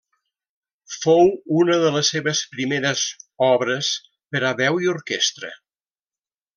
Fou una de les seves primeres obres per a veu i orquestra.